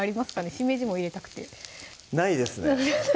しめじも入れたくてないですね